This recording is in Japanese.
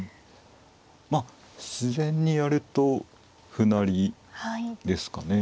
まあ自然にやると歩成りですかね。